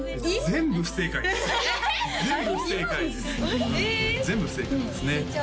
全部不正解ですね